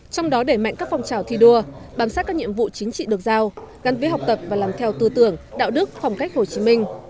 trong đó để mạnh các phong trào thi đua bám sát các nhiệm vụ chính trị được giao gắn với học tập và làm theo tư tưởng đạo đức phong cách hồ chí minh